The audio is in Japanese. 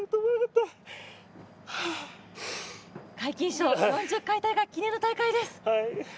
皆勤賞、４０回記念の大会です。